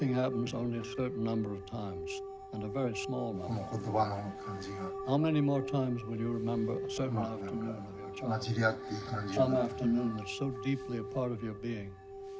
この言葉の感じが混じり合っている感じが。